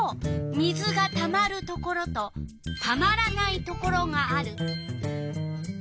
水がたまるところとたまらないところがある。